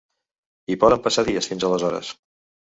I poden passar dies fins aleshores.